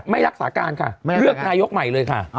ไม่รักษาการค่ะเลือกนายกใหม่เลยค่ะ